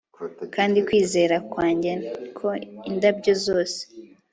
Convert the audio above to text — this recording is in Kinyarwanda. Kandi kwizera kwanjye ko indabyo zose